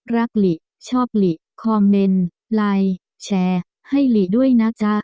รักหลิชอบหลิคอมเมนไลค์แชร์ให้หลิด้วยนะจ๊ะ